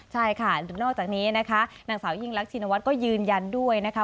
ใช่ค่ะนอกจากนี้นะคะนางสาวยิ่งรักชินวัฒน์ก็ยืนยันด้วยนะคะ